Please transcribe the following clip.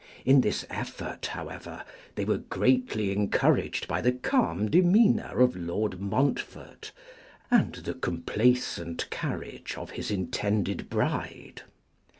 In this effort, however, they were greatly encouraged by the calm demeanour of Lord Montfort and the complacent carriage of his intended bride.